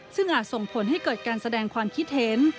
ซึ่งอาจส่งผลให้เกิดการแสดงความคิดเห็น